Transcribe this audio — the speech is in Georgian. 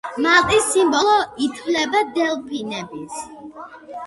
მალტის სიმბოლოდ ითვლება დელფინები.